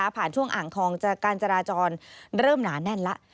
ผ่านช่วงอ่างทองกาญจาราจรเริ่มหนานแน่นแล้ว